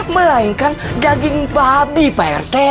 melainkan daging babi pak rt